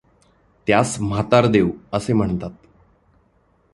त्यास म्हातारदेव असें म्हणतात.